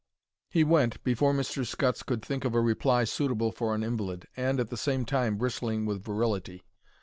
He went, before Mr. Scutts could think of a reply suitable for an invalid and, at the same time, bristling with virility.